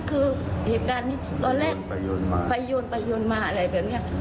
คือเหตุการณ์นี้ตอนแรกไปโยนไปโยนมาอะไรแบบนี้